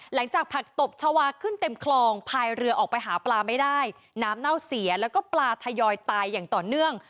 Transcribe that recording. หลังจากผักตบชาวาขึ้นเต็มคลองพายเรือออกไปหาปลาไม่ได้น้ำเน่าเสียแล้วก็ปลาทยอยตายอย่างต่อเนื่อง